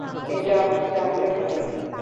এটাও জানতে হবে?